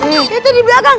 ya itu di belakang